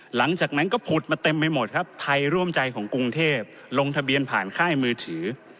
หลังจากนั้นก็ผุดมาเต็มไปหมดครับไทยร่วมใจของกรุงเทพลงทะเบียนผ่านค่ายมือถือ